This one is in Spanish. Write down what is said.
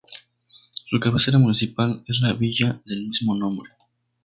Su cabecera municipal es la villa del mismo nombre.